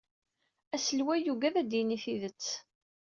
Aselway yuggad ad d-yini tidet.